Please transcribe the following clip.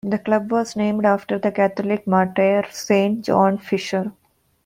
The club was named after the Catholic martyr Saint John Fisher.